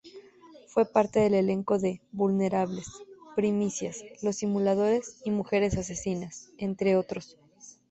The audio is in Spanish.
Fue parte del elenco de "Vulnerables", "Primicias", "Los Simuladores" y "Mujeres asesinas", entre otros.